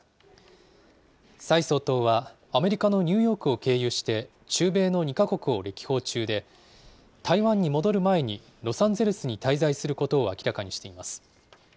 蔡総統はアメリカのニューヨークを経由して中米の２か国を歴訪中で、台湾に戻る前にロサンゼルスに滞在することを明らかにしています。